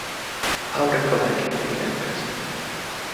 Aurinko läikehtii lempeästi.